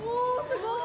すごい！